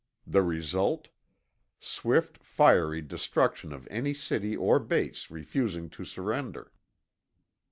The result: swift, fiery destruction of any city or base refusing to surrender.